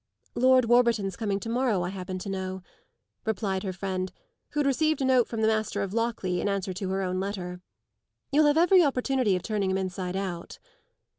"Lord Warburton's coming to morrow, I happen to know," replied her friend, who had received a note from the master of Lockleigh in answer to her own letter. "You'll have every opportunity of turning him inside out."